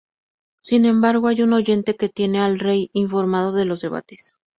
Sin embargo, hay un oyente que tiene al rey informado de los debates.